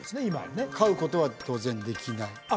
今はね飼うことは当然できない？